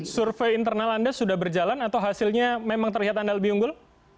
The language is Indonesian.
survei internal anda sudah berjalan atau hasilnya memang terlihat anda lebih unggul